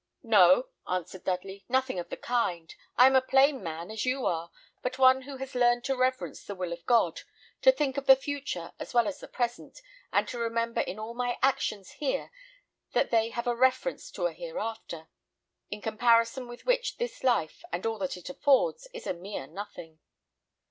"No," answered Dudley; "nothing of the kind. I am a plain man, as you are, but one who has learned to reverence the will of God; to think of the future as well as the present; and to remember in all my actions here that they have a reference to a hereafter, in comparison with which this life and all that it affords is a mere nothing."